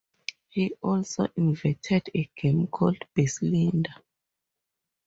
He also invented a game called Basilinda.